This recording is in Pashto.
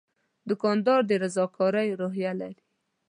دوکاندار د رضاکارۍ روحیه لري.